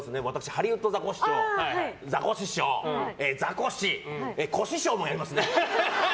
ハリウッドザコシショウとかザコシショウ、ザコシコシショウもやりますね。